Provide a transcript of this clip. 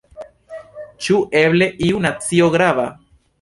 Ĉu eble iu nacio grava?